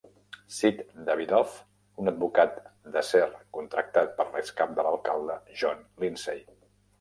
Sid Davidoff, un advocat d'acer contractat per l'excap de l'alcalde John Lindsay.